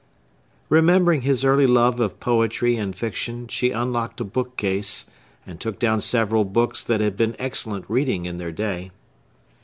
Remembering his early love of poetry and fiction, she unlocked a bookcase, and took down several books that had been excellent reading in their day.